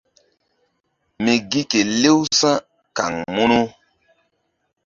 Mi gi kelew sa̧ kaŋ munu.